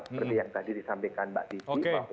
seperti yang tadi disampaikan mbak titi